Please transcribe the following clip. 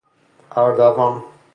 اَردوان